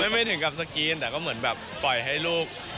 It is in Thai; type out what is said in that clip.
ไม่ถึงกับสกรีนแต่ก็เหมือนแบบปล่อยให้ลูก